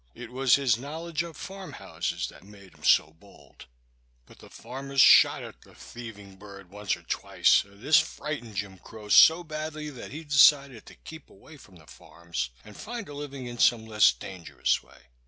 It was his knowledge of farm houses that made him so bold; but the farmers shot at the thieving bird once or twice, and this frightened Jim Crow so badly that he decided to keep away from the farms and find a living in some less dangerous way.